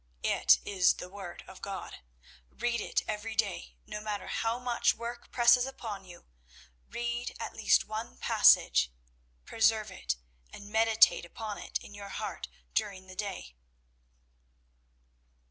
It is the Word of God. Read it every day, no matter how much work presses upon you; read at least one passage. Preserve it and meditate upon it in your heart during the day."